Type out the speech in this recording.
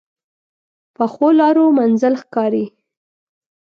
پخو لارو منزل ښکاري